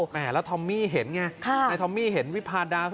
แม่แล้วทอมมี่เห็นไงในทอมมี่เห็นวิพาดา